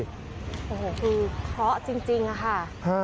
โอ้โหคือเพราะจริงค่ะ